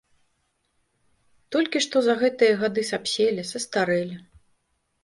Толькі што за гэтыя гады сапселі, састарэлі.